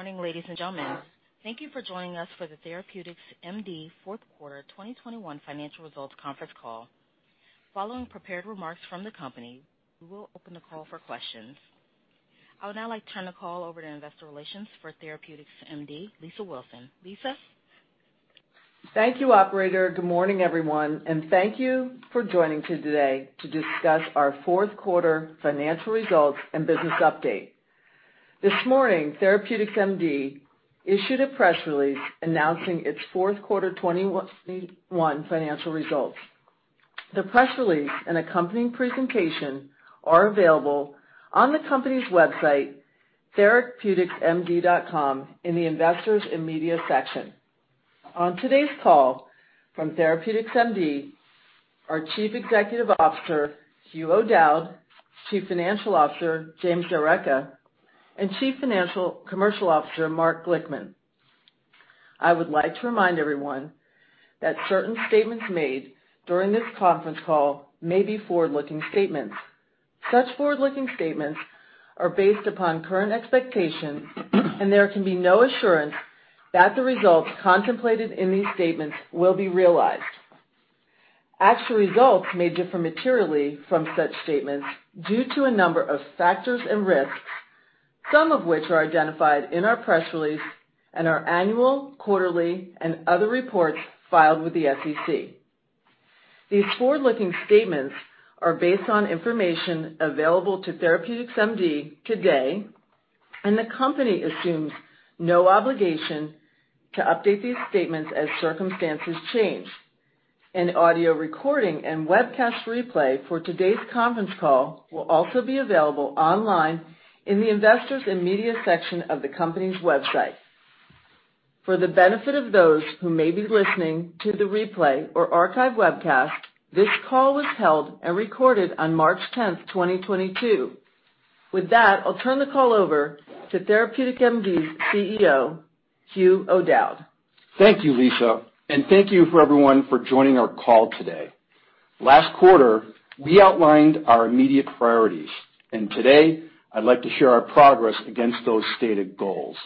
Good morning, ladies and gentlemen. Thank you for joining us for the TherapeuticsMD Fourth Quarter 2021 Financial Results conference call. Following prepared remarks from the company, we will open the call for questions. I would now like to turn the call over to Investor Relations for TherapeuticsMD, Lisa Wilson. Lisa? Thank you, operator. Good morning, everyone, and thank you for joining today to discuss our fourth quarter financial results and business update. This morning, TherapeuticsMD issued a press release announcing its fourth quarter 2021 financial results. The press release and accompanying presentation are available on the company's website, therapeuticsmd.com, in the investors and media section. On today's call from TherapeuticsMD, our Chief Executive Officer, Hugh O'Dowd, Chief Financial Officer, James D'Arecca, and Chief Commercial Officer, Mark Glickman. I would like to remind everyone that certain statements made during this conference call may be forward-looking statements. Such forward-looking statements are based upon current expectations, and there can be no assurance that the results contemplated in these statements will be realized. Actual results may differ materially from such statements due to a number of factors and risks, some of which are identified in our press release and our annual, quarterly, and other reports filed with the SEC. These forward-looking statements are based on information available to TherapeuticsMD today, and the company assumes no obligation to update these statements as circumstances change. An audio recording and webcast replay for today's conference call will also be available online in the investors and media section of the company's website. For the benefit of those who may be listening to the replay or archive webcast, this call was held and recorded on March 10th, 2022. With that, I'll turn the call over to TherapeuticsMD's CEO, Hugh O'Dowd. Thank you, Lisa. Thank you to everyone for joining our call today. Last quarter, we outlined our immediate priorities, and today I'd like to share our progress against those stated goals.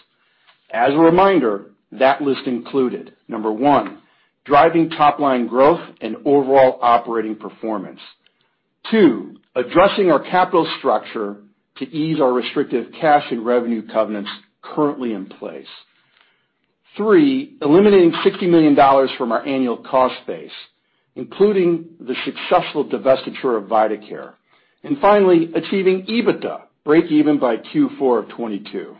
As a reminder, that list included, number one, driving top-line growth and overall operating performance. Two, addressing our capital structure to ease our restrictive cash and revenue covenants currently in place. Three, eliminating $60 million from our annual cost base, including the successful divestiture of vitaCare. Finally, achieving EBITDA breakeven by Q4 of 2022.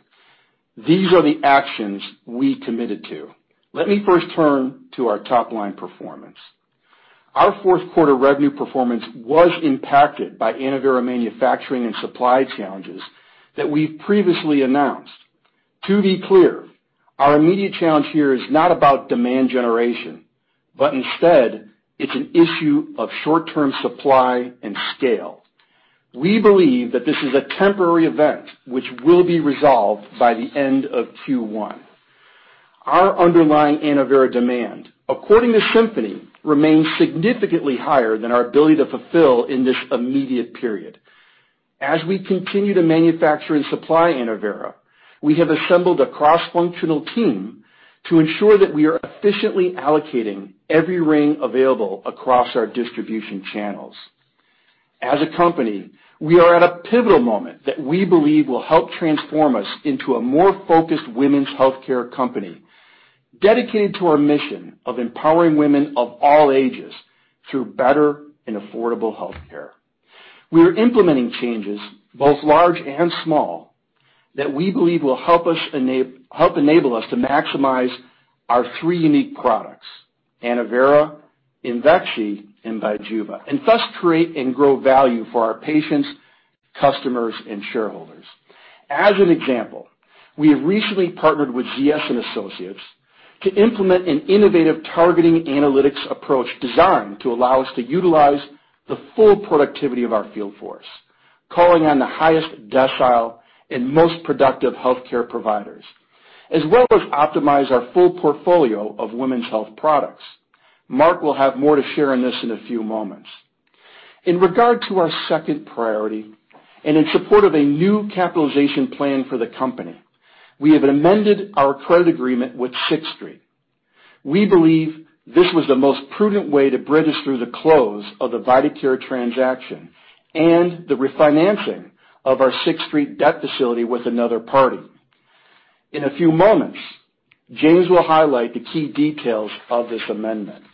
These are the actions we committed to. Let me first turn to our top-line performance. Our fourth quarter revenue performance was impacted by ANNOVERA manufacturing and supply challenges that we previously announced. To be clear, our immediate challenge here is not about demand generation, but instead it's an issue of short-term supply and scale. We believe that this is a temporary event which will be resolved by the end of Q1. Our underlying ANNOVERA demand, according to Symphony, remains significantly higher than our ability to fulfill in this immediate period. As we continue to manufacture and supply ANNOVERA, we have assembled a cross-functional team to ensure that we are efficiently allocating every ring available across our distribution channels. As a company, we are at a pivotal moment that we believe will help transform us into a more focused women's healthcare company dedicated to our mission of empowering women of all ages through better and affordable healthcare. We are implementing changes, both large and small, that we believe will help us enable us to maximize our three unique products, ANNOVERA, IMVEXXY, and BIJUVA, and thus create and grow value for our patients, customers and shareholders. As an example, we have recently partnered with ZS Associates to implement an innovative targeting analytics approach designed to allow us to utilize the full productivity of our field force, calling on the highest decile and most productive healthcare providers, as well as optimize our full portfolio of women's health products. Mark will have more to share on this in a few moments. In regard to our second priority, and in support of a new capitalization plan for the company, we have amended our credit agreement with Sixth Street. We believe this was the most prudent way to bridge us through the close of the vitaCare transaction and the refinancing of our Sixth Street debt facility with another party. In a few moments, James will highlight the key details of this amendment.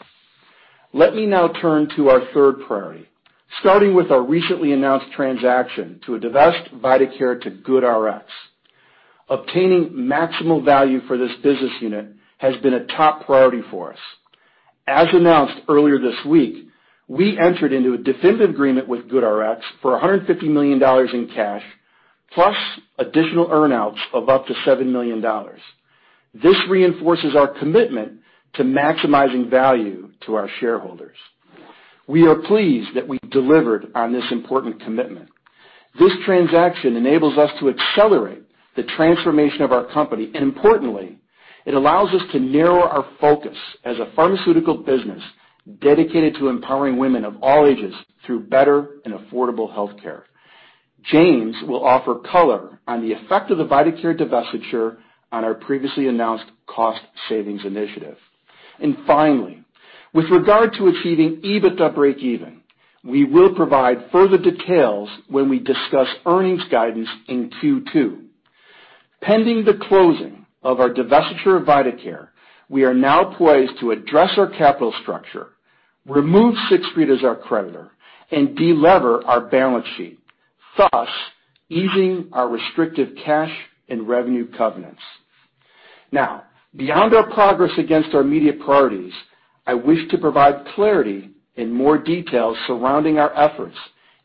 Let me now turn to our third priority, starting with our recently announced transaction to divest vitaCare to GoodRx. Obtaining maximal value for this business unit has been a top priority for us. As announced earlier this week, we entered into a definitive agreement with GoodRx for $150 million in cash, plus additional earn-outs of up to $7 million. This reinforces our commitment to maximizing value to our shareholders. We are pleased that we delivered on this important commitment. This transaction enables us to accelerate the transformation of our company, and importantly, it allows us to narrow our focus as a pharmaceutical business dedicated to empowering women of all ages through better and affordable healthcare. James will offer color on the effect of the vitaCare divestiture on our previously announced cost savings initiative. Finally, with regard to achieving EBITDA breakeven, we will provide further details when we discuss earnings guidance in Q2. Pending the closing of our divestiture of vitaCare, we are now poised to address our capital structure, remove Sixth Street as our creditor, and de-lever our balance sheet, thus easing our restrictive cash and revenue covenants. Now, beyond our progress against our immediate priorities, I wish to provide clarity and more details surrounding our efforts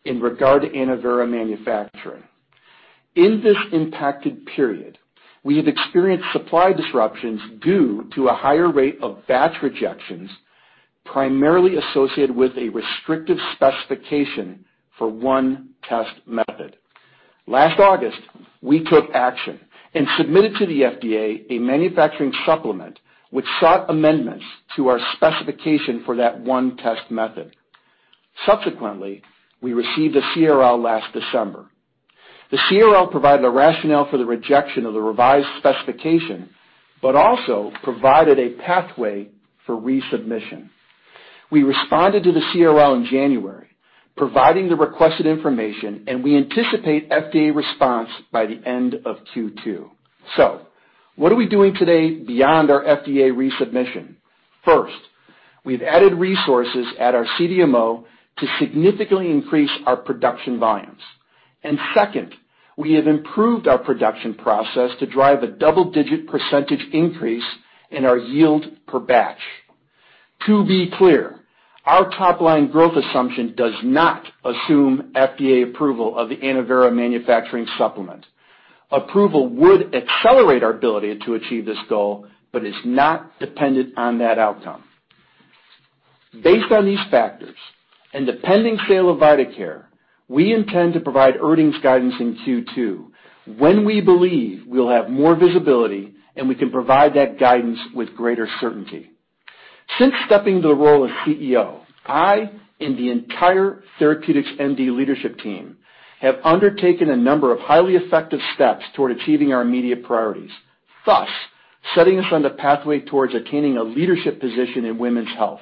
in regard to ANNOVERA manufacturing. In this impacted period, we have experienced supply disruptions due to a higher rate of batch rejections, primarily associated with a restrictive specification for one test method. Last August, we took action and submitted to the FDA a manufacturing supplement which sought amendments to our specification for that one test method. Subsequently, we received a CRL last December. The CRL provided a rationale for the rejection of the revised specification, but also provided a pathway for resubmission. We responded to the CRL in January, providing the requested information, and we anticipate FDA response by the end of Q2. What are we doing today beyond our FDA resubmission? First, we've added resources at our CDMO to significantly increase our production volumes. Second, we have improved our production process to drive a double-digit percentage increase in our yield per batch. To be clear, our top-line growth assumption does not assume FDA approval of the ANNOVERA manufacturing supplement. Approval would accelerate our ability to achieve this goal, but is not dependent on that outcome. Based on these factors, and the pending sale of vitaCare, we intend to provide earnings guidance in Q2 when we believe we'll have more visibility, and we can provide that guidance with greater certainty. Since stepping into the role of CEO, I and the entire TherapeuticsMD leadership team have undertaken a number of highly effective steps toward achieving our immediate priorities, thus setting us on the pathway towards attaining a leadership position in women's health.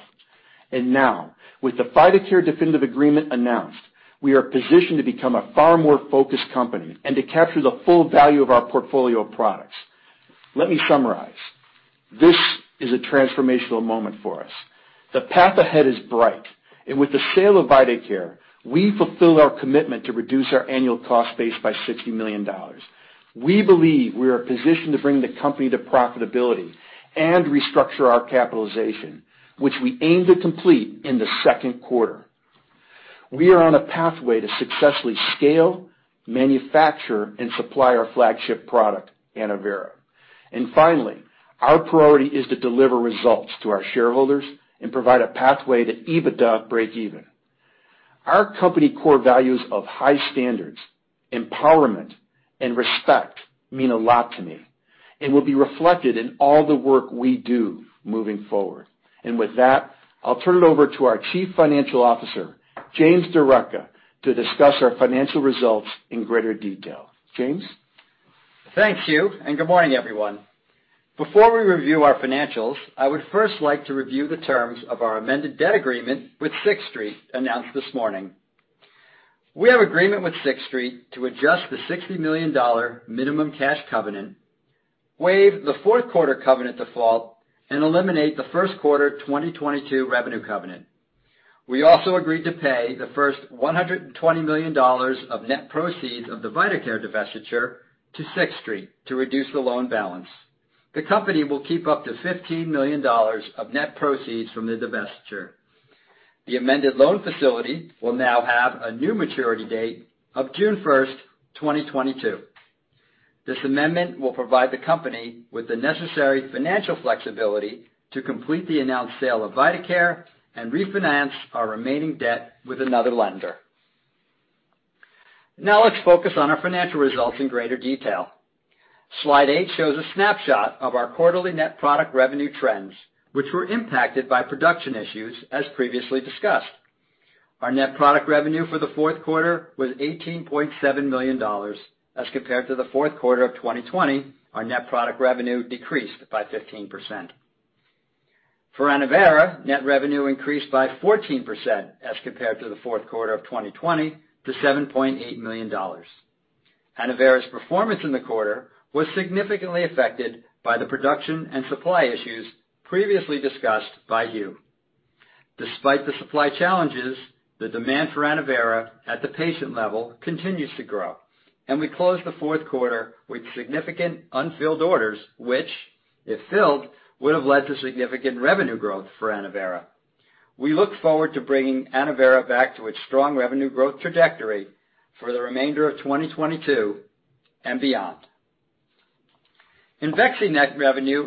Now, with the vitaCare definitive agreement announced, we are positioned to become a far more focused company and to capture the full value of our portfolio of products. Let me summarize. This is a transformational moment for us. The path ahead is bright, and with the sale of vitaCare, we fulfill our commitment to reduce our annual cost base by $60 million. We believe we are positioned to bring the company to profitability and restructure our capitalization, which we aim to complete in the second quarter. We are on a pathway to successfully scale, manufacture, and supply our flagship product, ANNOVERA. Finally, our priority is to deliver results to our shareholders and provide a pathway to EBITDA breakeven. Our company core values of high standards, empowerment, and respect mean a lot to me and will be reflected in all the work we do moving forward. With that, I'll turn it over to our Chief Financial Officer, James D'Arecca, to discuss our financial results in greater detail. James? Thanks, Hugh, and good morning, everyone. Before we review our financials, I would first like to review the terms of our amended debt agreement with Sixth Street announced this morning. We have agreement with Sixth Street to adjust the $60 million minimum cash covenant, waive the fourth quarter covenant default, and eliminate the first quarter 2022 revenue covenant. We also agreed to pay the first $120 million of net proceeds of the vitaCare divestiture to Sixth Street to reduce the loan balance. The company will keep up to $15 million of net proceeds from the divestiture. The amended loan facility will now have a new maturity date of June 1st, 2022. This amendment will provide the company with the necessary financial flexibility to complete the announced sale of vitaCare and refinance our remaining debt with another lender. Now let's focus on our financial results in greater detail. Slide eight shows a snapshot of our quarterly net product revenue trends, which were impacted by production issues, as previously discussed. Our net product revenue for the fourth quarter was $18.7 million as compared to the fourth quarter of 2020. Our net product revenue decreased by 15%. For ANNOVERA, net revenue increased by 14% as compared to the fourth quarter of 2020 to $7.8 million. ANNOVERA's performance in the quarter was significantly affected by the production and supply issues previously discussed by Hugh. Despite the supply challenges, the demand for ANNOVERA at the patient level continues to grow, and we closed the fourth quarter with significant unfilled orders, which, if filled, would have led to significant revenue growth for ANNOVERA. We look forward to bringing ANNOVERA back to its strong revenue growth trajectory for the remainder of 2022 and beyond. IMVEXXY net revenue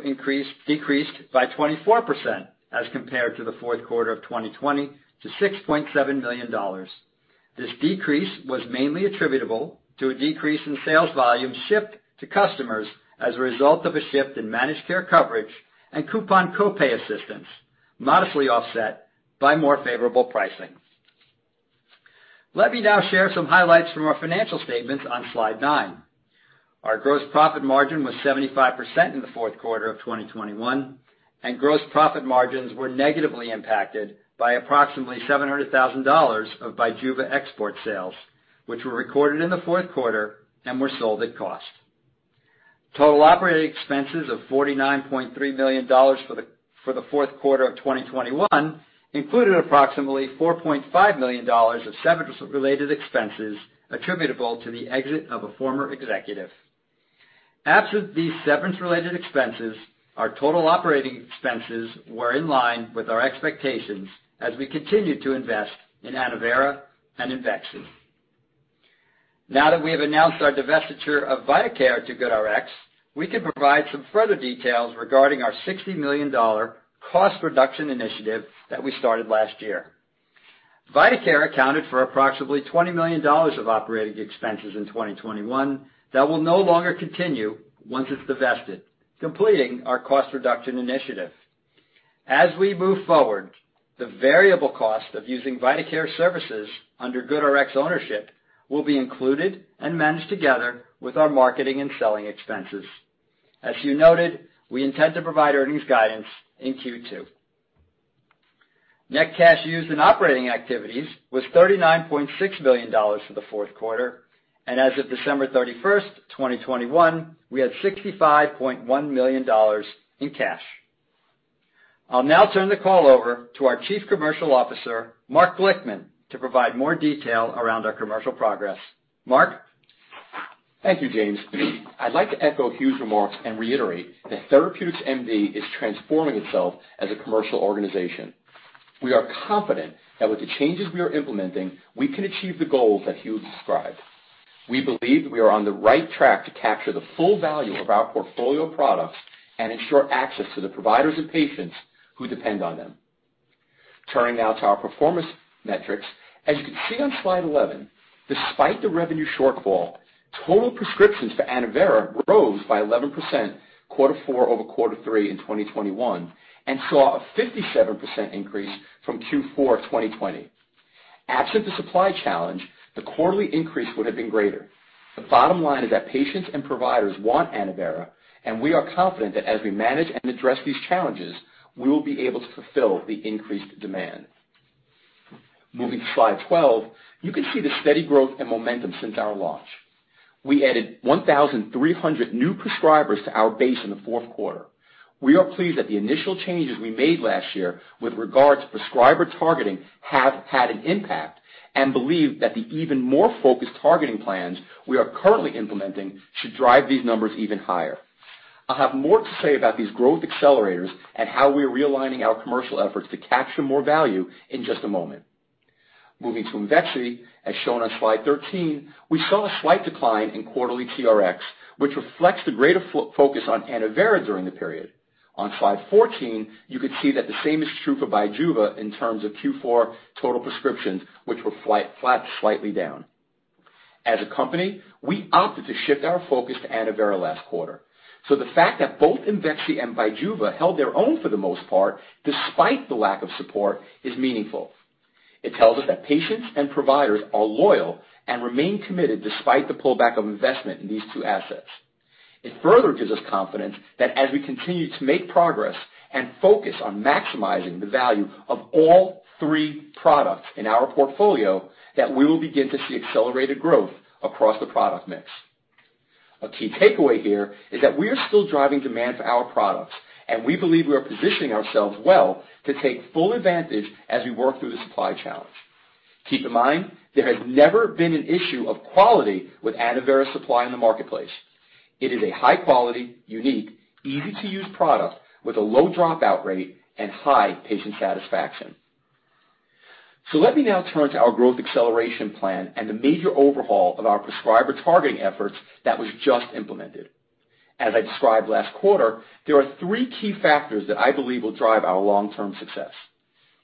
decreased by 24% as compared to the fourth quarter of 2020 to $6.7 million. This decrease was mainly attributable to a decrease in sales volume shipped to customers as a result of a shift in managed care coverage and coupon co-pay assistance, modestly offset by more favorable pricing. Let me now share some highlights from our financial statements on slide nine. Our gross profit margin was 75% in the fourth quarter of 2021, and gross profit margins were negatively impacted by approximately $700,000 of BIJUVA export sales, which were recorded in the fourth quarter and were sold at cost. Total operating expenses of $49.3 million for the fourth quarter of 2021 included approximately $4.5 million of severance-related expenses attributable to the exit of a former executive. Absent these severance-related expenses, our total operating expenses were in line with our expectations as we continued to invest in ANNOVERA and IMVEXXY. Now that we have announced our divestiture of vitaCare to GoodRx, we can provide some further details regarding our $60 million cost reduction initiative that we started last year. vitaCare accounted for approximately $20 million of operating expenses in 2021 that will no longer continue once it's divested, completing our cost reduction initiative. As we move forward, the variable cost of using vitaCare services under GoodRx ownership will be included and managed together with our marketing and selling expenses. As you noted, we intend to provide earnings guidance in Q2. Net cash used in operating activities was $39.6 million for the fourth quarter, and as of December 31st, 2021, we had $65.1 million in cash. I'll now turn the call over to our Chief Commercial Officer, Mark Glickman, to provide more detail around our commercial progress. Mark? Thank you, James. I'd like to echo Hugh's remarks and reiterate that TherapeuticsMD is transforming itself as a commercial organization. We are confident that with the changes we are implementing, we can achieve the goals that Hugh described. We believe we are on the right track to capture the full value of our portfolio of products and ensure access to the providers and patients who depend on them. Turning now to our performance metrics. As you can see on slide 11, despite the revenue shortfall, total prescriptions for ANNOVERA rose by 11% quarter four over quarter three in 2021 and saw a 57% increase from Q4 of 2020. Absent the supply challenge, the quarterly increase would have been greater. The bottom line is that patients and providers want ANNOVERA, and we are confident that as we manage and address these challenges, we will be able to fulfill the increased demand. Moving to slide 12, you can see the steady growth and momentum since our launch. We added 1,300 new prescribers to our base in the fourth quarter. We are pleased that the initial changes we made last year with regard to prescriber targeting have had an impact and believe that the even more focused targeting plans we are currently implementing should drive these numbers even higher. I'll have more to say about these growth accelerators and how we're realigning our commercial efforts to capture more value in just a moment. Moving to IMVEXXY, as shown on slide 13, we saw a slight decline in quarterly TRx, which reflects the greater focus on ANNOVERA during the period. On slide 14, you can see that the same is true for BIJUVA in terms of Q4 total prescriptions, which were flat to slightly down. As a company, we opted to shift our focus to ANNOVERA last quarter. The fact that both IMVEXXY and BIJUVA held their own for the most part, despite the lack of support, is meaningful. It tells us that patients and providers are loyal and remain committed despite the pullback of investment in these two assets. It further gives us confidence that as we continue to make progress and focus on maximizing the value of all three products in our portfolio, that we will begin to see accelerated growth across the product mix. A key takeaway here is that we are still driving demand for our products, and we believe we are positioning ourselves well to take full advantage as we work through the supply challenge. Keep in mind, there has never been an issue of quality with ANNOVERA supply in the marketplace. It is a high quality, unique, easy-to-use product with a low dropout rate and high patient satisfaction. Let me now turn to our growth acceleration plan and the major overhaul of our prescriber targeting efforts that was just implemented. As I described last quarter, there are three key factors that I believe will drive our long-term success.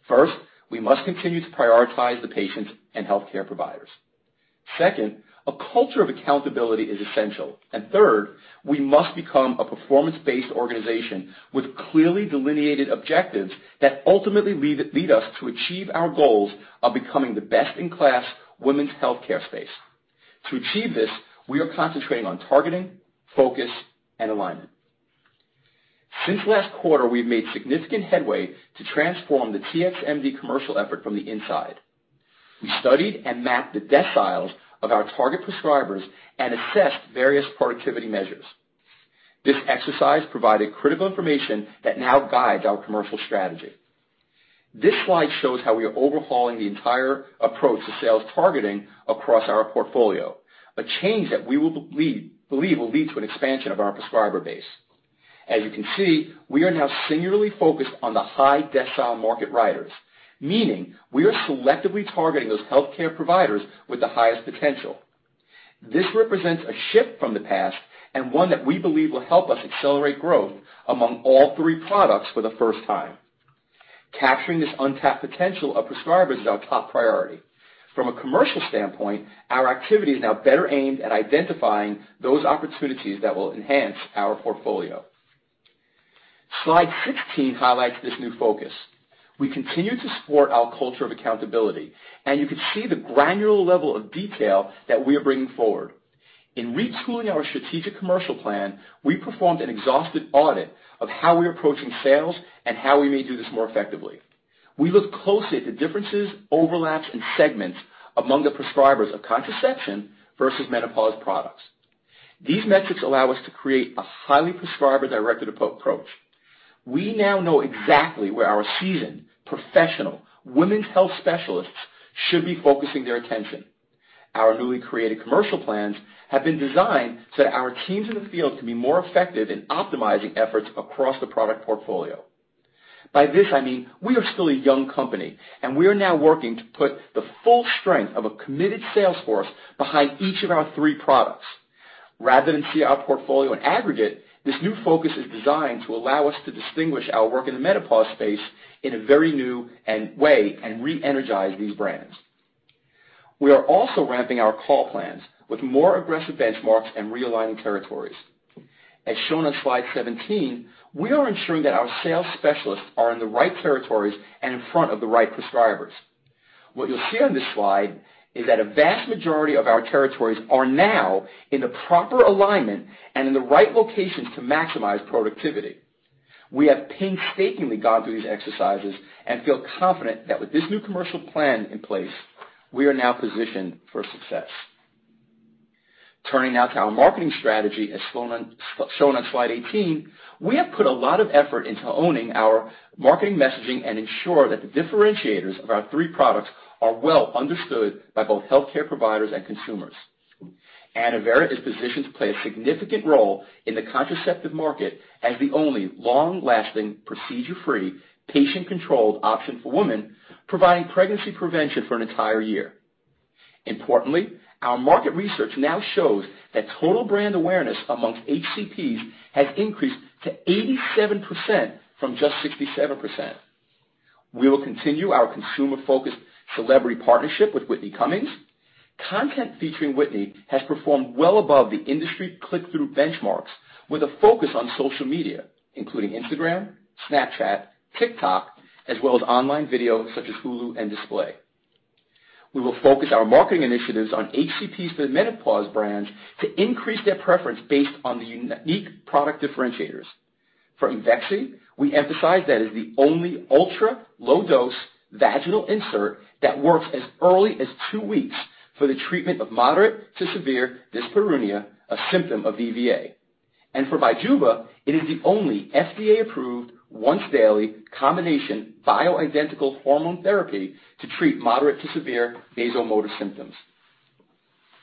First, we must continue to prioritize the patients and healthcare providers. Second, a culture of accountability is essential. Third, we must become a performance-based organization with clearly delineated objectives that ultimately lead us to achieve our goals of becoming the best-in-class women's healthcare space. To achieve this, we are concentrating on targeting, focus, and alignment. Since last quarter, we've made significant headway to transform the TXMD commercial effort from the inside. We studied and mapped the deciles of our target prescribers and assessed various productivity measures. This exercise provided critical information that now guides our commercial strategy. This slide shows how we are overhauling the entire approach to sales targeting across our portfolio, a change that we believe will lead to an expansion of our prescriber base. As you can see, we are now singularly focused on the high decile market riders, meaning we are selectively targeting those healthcare providers with the highest potential. This represents a shift from the past and one that we believe will help us accelerate growth among all three products for the first time. Capturing this untapped potential of prescribers is our top priority. From a commercial standpoint, our activity is now better aimed at identifying those opportunities that will enhance our portfolio. Slide 16 highlights this new focus. We continue to support our culture of accountability, and you can see the granular level of detail that we are bringing forward. In retooling our strategic commercial plan, we performed an exhaustive audit of how we're approaching sales and how we may do this more effectively. We look closely at the differences, overlaps, and segments among the prescribers of contraception versus menopause products. These metrics allow us to create a highly prescriber-directed targeted approach. We now know exactly where our seasoned professional women's health specialists should be focusing their attention. Our newly created commercial plans have been designed so that our teams in the field can be more effective in optimizing efforts across the product portfolio. By this I mean, we are still a young company, and we are now working to put the full strength of a committed sales force behind each of our three products. Rather than see our portfolio in aggregate, this new focus is designed to allow us to distinguish our work in the menopause space in a very new way and reenergize these brands. We are also ramping our call plans with more aggressive benchmarks and realigning territories. As shown on slide 17, we are ensuring that our sales specialists are in the right territories and in front of the right prescribers. What you'll see on this slide is that a vast majority of our territories are now in the proper alignment and in the right locations to maximize productivity. We have painstakingly gone through these exercises and feel confident that with this new commercial plan in place, we are now positioned for success. Turning now to our marketing strategy, shown on slide 18, we have put a lot of effort into owning our marketing messaging and ensure that the differentiators of our three products are well understood by both healthcare providers and consumers. ANNOVERA is positioned to play a significant role in the contraceptive market as the only long-lasting, procedure-free, patient-controlled option for women, providing pregnancy prevention for an entire year. Importantly, our market research now shows that total brand awareness among HCPs has increased to 87% from just 67%. We will continue our consumer-focused celebrity partnership with Whitney Cummings. Content featuring Whitney has performed well above the industry click-through benchmarks with a focus on social media, including Instagram, Snapchat, TikTok, as well as online video such as Hulu and display. We will focus our marketing initiatives on HCPs for the menopause brands to increase their preference based on the unique product differentiators. For IMVEXXY, we emphasize that it is the only ultra-low dose vaginal insert that works as early as two weeks for the treatment of moderate to severe dyspareunia, a symptom of VVA. For BIJUVA, it is the only FDA-approved once-daily combination bioidentical hormone therapy to treat moderate to severe vasomotor symptoms.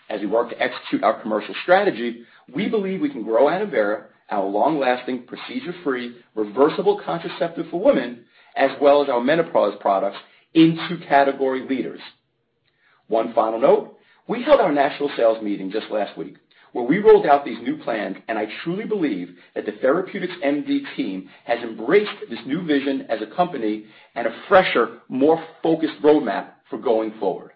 As we work to execute our commercial strategy, we believe we can grow ANNOVERA, our long-lasting, procedure-free, reversible contraceptive for women, as well as our menopause products into category leaders. One final note, we held our national sales meeting just last week, where we rolled out these new plans, and I truly believe that the TherapeuticsMD team has embraced this new vision as a company and a fresher, more focused roadmap for going forward.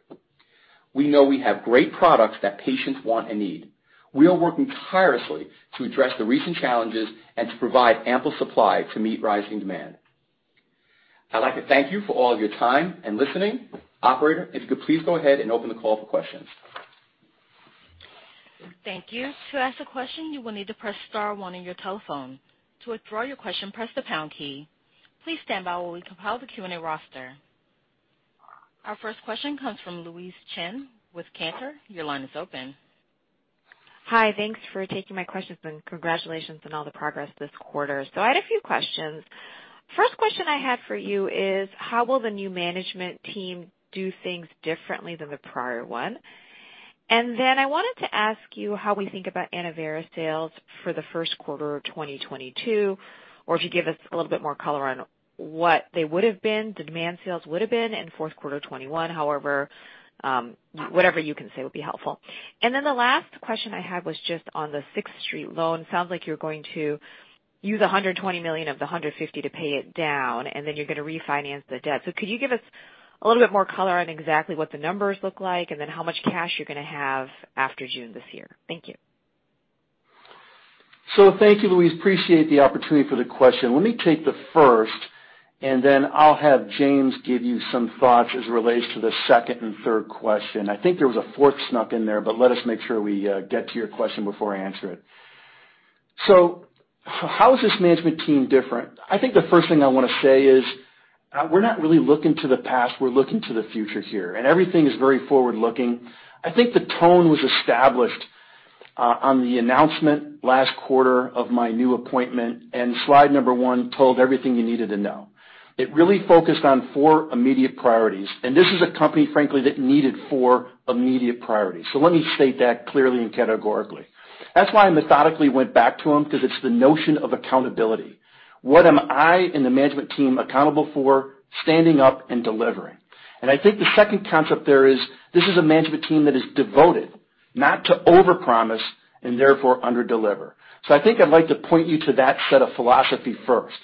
We know we have great products that patients want and need. We are working tirelessly to address the recent challenges and to provide ample supply to meet rising demand. I'd like to thank you for all of your time and listening. Operator, if you could please go ahead and open the call for questions. Thank you. To ask a question, you will need to press star one on your telephone. To withdraw your question, press the pound key. Please stand by while we compile the Q&A roster. Our first question comes from Louise Chen with Cantor. Your line is open. Hi. Thanks for taking my questions, and congratulations on all the progress this quarter. I had a few questions. First question I had for you is, how will the new management team do things differently than the prior one? Then I wanted to ask you how we think about ANNOVERA sales for the first quarter of 2022, or if you give us a little bit more color on what they would have been, the demand sales would have been in fourth quarter 2021. However, whatever you can say would be helpful. Then the last question I had was just on the Sixth Street loan. Sounds like you're going to use $120 million of the $150 million to pay it down, and then you're gonna refinance the debt. Could you give us a little bit more color on exactly what the numbers look like and then how much cash you're gonna have after June this year? Thank you. Thank you, Louise. Appreciate the opportunity for the question. Let me take the first, and then I'll have James give you some thoughts as it relates to the second and third question. I think there was a fourth snuck in there, but let us make sure we get to your question before I answer it. How is this management team different? I think the first thing I wanna say is, we're not really looking to the past. We're looking to the future here, and everything is very forward-looking. I think the tone was established on the announcement last quarter of my new appointment, and slide number one told everything you needed to know. It really focused on four immediate priorities, and this is a company, frankly, that needed four immediate priorities. Let me state that clearly and categorically. That's why I methodically went back to them, because it's the notion of accountability. What am I and the management team accountable for standing up and delivering? I think the second concept there is this is a management team that is devoted not to overpromise and therefore underdeliver. I think I'd like to point you to that set of philosophy first,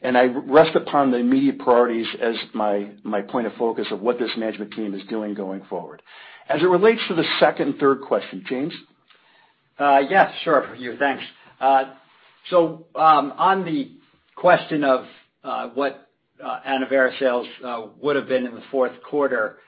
and I rest upon the immediate priorities as my point of focus of what this management team is doing going forward. As it relates to the second, third question, James? Yeah, sure, Hugh, thanks. So, on the question of what ANNOVERA sales would have been in the fourth quarter,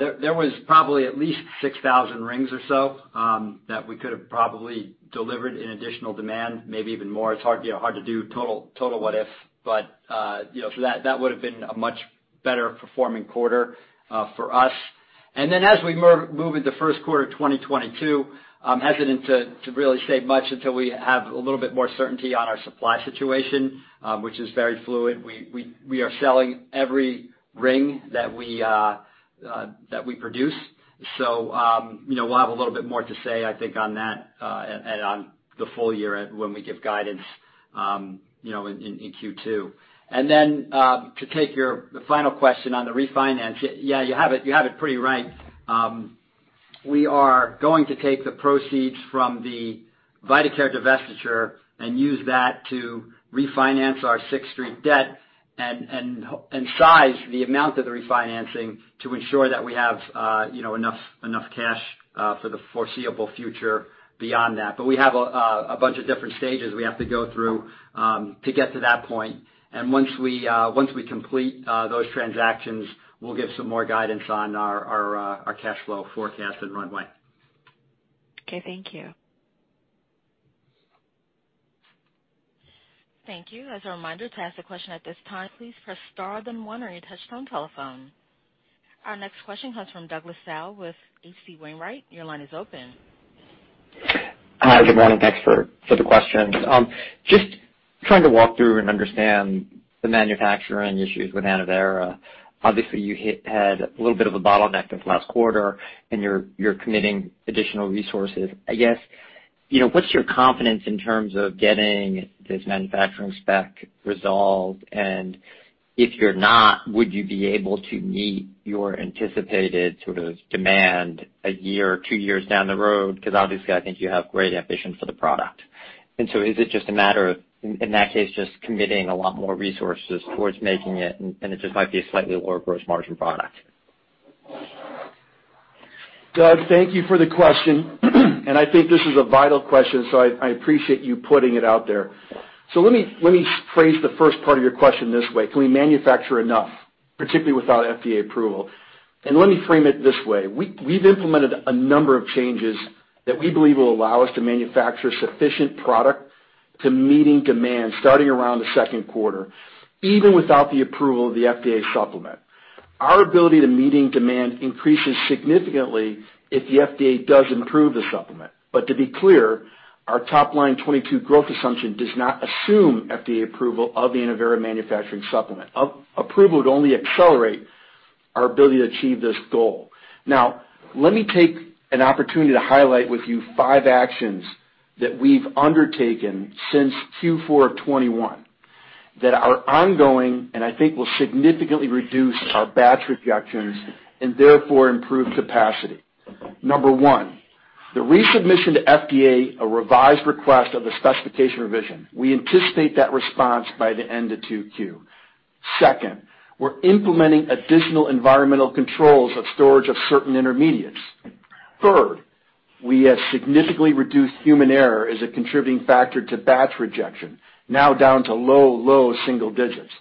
there was probably at least 6,000 rings or so that we could have probably delivered in additional demand, maybe even more. It's hard, you know, to do total what if. You know, so that would have been a much better performing quarter for us. As we move into first quarter 2022, I'm hesitant to really say much until we have a little bit more certainty on our supply situation, which is very fluid. We are selling every ring that we produce. We'll have a little bit more to say, I think, on that, and on the full year when we give guidance, you know, in Q2. To take your final question on the refinance. Yeah, you have it pretty right. We are going to take the proceeds from the vitaCare divestiture and use that to refinance our Sixth Street debt and size the amount of the refinancing to ensure that we have, you know, enough cash for the foreseeable future beyond that. But we have a bunch of different stages we have to go through to get to that point. Once we complete those transactions, we'll give some more guidance on our cash flow forecast and runway. Okay, thank you. Thank you. As a reminder, to ask a question at this time, please press star, then one on your touchtone telephone. Our next question comes from Douglas Tsao with H.C. Wainwright. Your line is open. Hi, good morning. Thanks for the questions. Just trying to walk through and understand the manufacturing issues with ANNOVERA. Obviously, you had a little bit of a bottleneck this last quarter and you're committing additional resources. I guess, you know, what's your confidence in terms of getting this manufacturing spec resolved? If you're not, would you be able to meet your anticipated sort of demand a year or two years down the road? Because obviously I think you have great ambition for the product. Is it just a matter of, in that case, just committing a lot more resources towards making it and it just might be a slightly lower gross margin product? Doug, thank you for the question, and I think this is a vital question, so I appreciate you putting it out there. Let me phrase the first part of your question this way. Can we manufacture enough, particularly without FDA approval? Let me frame it this way, we've implemented a number of changes that we believe will allow us to manufacture sufficient product to meet demand starting around the second quarter, even without the approval of the FDA supplement. Our ability to meet demand increases significantly if the FDA does approve the supplement. To be clear, our top line 2022 growth assumption does not assume FDA approval of the ANNOVERA manufacturing supplement. Approval would only accelerate our ability to achieve this goal. Now, let me take an opportunity to highlight with you five actions that we've undertaken since Q4 of 2021 that are ongoing and I think will significantly reduce our batch rejections and therefore improve capacity. Number one, the resubmission to FDA, a revised request of the specification revision. We anticipate that response by the end of 2Q. Second, we're implementing additional environmental controls of storage of certain intermediates. Third, we have significantly reduced human error as a contributing factor to batch rejection, now down to low, low single digits.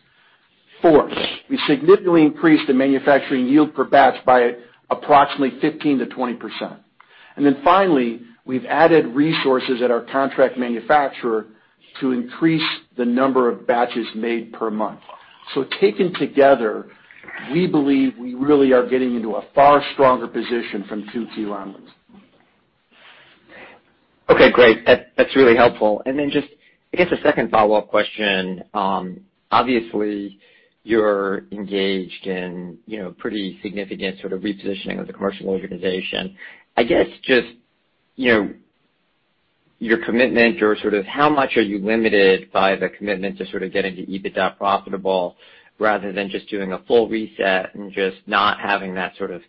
Fourth, we significantly increased the manufacturing yield per batch by approximately 15%-20%. Then finally, we've added resources at our contract manufacturer to increase the number of batches made per month. Taken together, we believe we really are getting into a far stronger position from 2Q onwards. Okay, great. That's really helpful. Just, I guess, a second follow-up question. Obviously, you're engaged in, you know, pretty significant sort of repositioning of the commercial organization. I guess just, you know, your commitment or sort of how much are you limited by the commitment to sort of getting to EBITDA profitable rather than just doing a full reset and just not having that sort of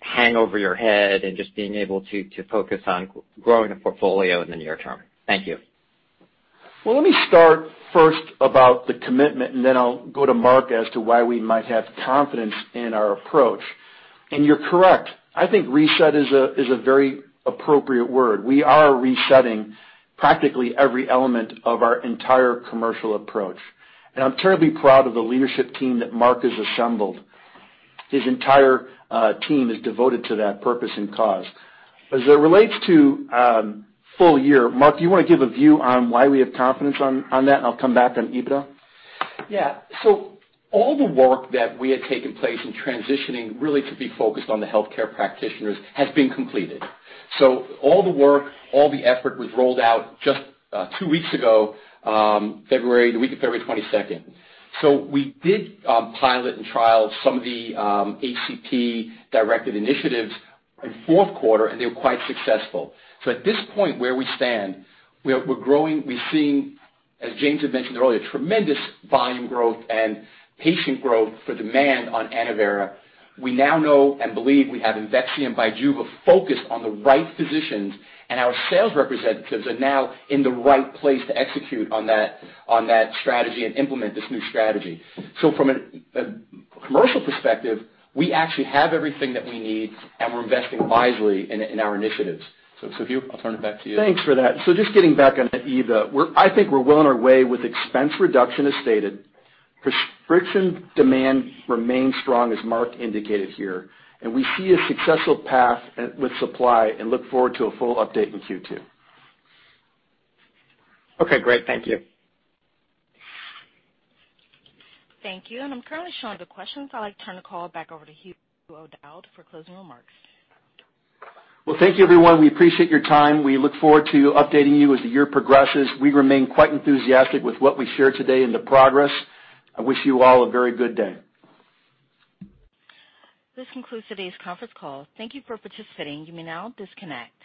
hanging over your head and just being able to focus on growing a portfolio in the near term? Thank you. Well, let me start first about the commitment, and then I'll go to Mark as to why we might have confidence in our approach. You're correct, I think reset is a very appropriate word. We are resetting practically every element of our entire commercial approach. I'm terribly proud of the leadership team that Mark has assembled. His entire team is devoted to that purpose and cause. As it relates to full year, Mark, do you want to give a view on why we have confidence on that? I'll come back on EBITDA. Yeah. All the work that had taken place in transitioning really to be focused on the healthcare practitioners has been completed. All the work, all the effort was rolled out just two weeks ago, the week of February 22nd. We did pilot and trial some of the HCP-directed initiatives in fourth quarter, and they were quite successful. At this point, where we stand, we are growing, we are seeing, as James had mentioned earlier, tremendous volume growth and patient growth for demand on ANNOVERA. We now know and believe we have IMVEXXY and BIJUVA focused on the right physicians, and our sales representatives are now in the right place to execute on that strategy and implement this new strategy. From a commercial perspective, we actually have everything that we need, and we're investing wisely in our initiatives. Hugh, I'll turn it back to you. Thanks for that. Just getting back on the EBITDA, I think we're well on our way with expense reduction as stated. Prescription demand remains strong, as Mark indicated here, and we see a successful path with supply and look forward to a full update in Q2. Okay, great. Thank you. Thank you. I'm currently showing no questions. I'd like to turn the call back over to Hugh O'Dowd for closing remarks. Well, thank you everyone. We appreciate your time. We look forward to updating you as the year progresses. We remain quite enthusiastic with what we shared today and the progress. I wish you all a very good day. This concludes today's conference call. Thank you for participating. You may now disconnect.